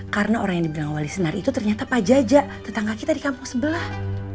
karena orang yang dibilang wali sinar itu ternyata pak jajak tetangga kita di kampung sebelah